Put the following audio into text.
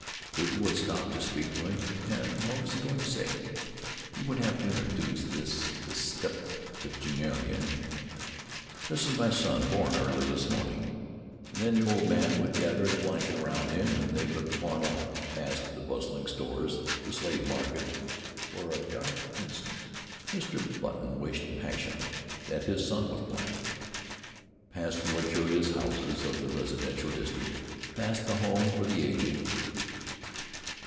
People would stop to speak to him, and what was he going to say? He would have to introduce this this septuagenarian: "This is my son, born early this morning." And then the old man would gather his blanket around him and they would plod on, past the bustling stores, the slave market for a dark instant Mr. Button wished passionately that his son was black past the luxurious houses of the residential district, past the home for the aged....